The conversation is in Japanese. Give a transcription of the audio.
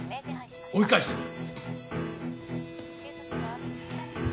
追い返してくる。